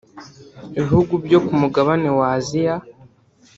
Ibihugu byo ku mugabane wa Asia